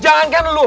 jangan kan lo